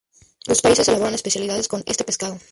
Los países elaboran especialidades con este pescado.